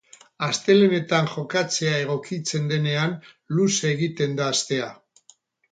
Astelehenetan jokatzeea egokitzen denean luze egiten da astea.